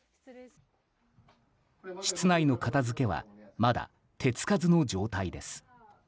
室内の片づけはまだ手付かずの状態です。